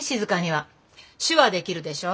手話できるでしょ。